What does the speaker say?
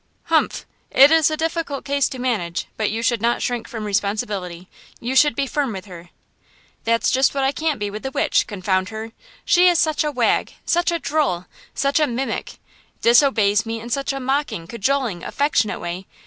"Humph! it is a difficult case to manage; but you should not shrink from responsibility; you should be firm with her." "That's just what I can't be with the witch, confound her! she is such a wag, such a drole, such a mimic; disobeys me in such a mocking, cajoling, affectionate way.